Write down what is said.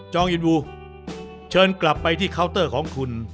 องอินวูเชิญกลับไปที่เคาน์เตอร์ของคุณ